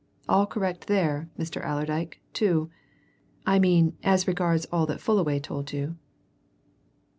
All correct there, Mr. Allerdyke, too I mean as regards all that Fullaway told you."